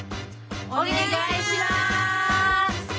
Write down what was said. お願いします！